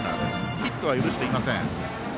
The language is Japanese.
ヒットは許していません。